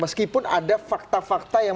meskipun ada fakta fakta yang